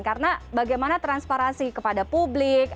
karena bagaimana transparansi kepada publik